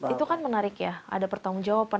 itu kan menarik ya ada pertanggung jawaban